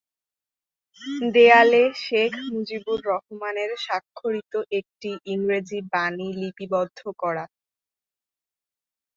দেয়ালে শেখ মুজিবুর রহমানের স্বাক্ষরিত একটি ইংরেজি বাণী লিপিবদ্ধ করা।